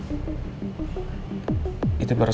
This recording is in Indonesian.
riz lu juga berarti